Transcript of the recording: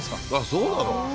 そうなの？